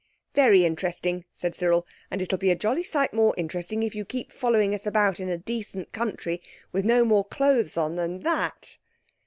"Very interesting," said Cyril, "and it'll be a jolly sight more interesting if you keep following us about in a decent country with no more clothes on than _that!